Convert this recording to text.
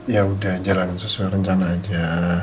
ya udah jalan sesuai rencana aja